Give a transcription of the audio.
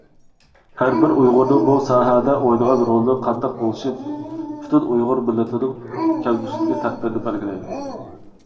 ھەربىر ئۇيغۇرنىڭ بۇ ساھەدە ئوينىغان رولىنىڭ قانداق بولۇشى پۈتۈن ئۇيغۇر مىللىتىنىڭ كەلگۈسىدىكى تەقدىرىنى بەلگىلەيدۇ.